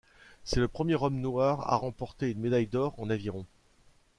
C'est le premier homme noir à remporter une médaille d'or en aviron.